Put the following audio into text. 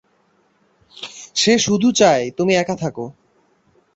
সে শুধু চায় তুমি একা থাকো!